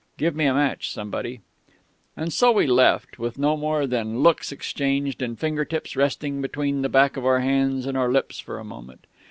Give me a match somebody.... "And so we left, with no more than looks exchanged and finger tips resting between the back of our hands and our lips for a moment.